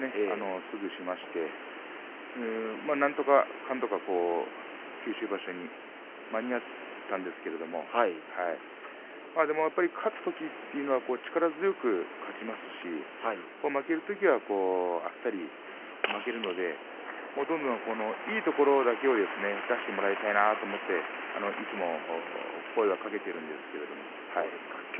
そうですね、九月場所終わってから、すぐしましてなんとかなんとか九州場所に間に合ったんですけれどもまあでも勝つ時というのは力強く勝ちますし負ける時はあっさり負けるのでいいところだけを出してもらいたいなと思っていつも声はかけているんですけれども。